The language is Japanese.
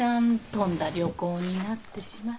とんだ旅行になってしまって。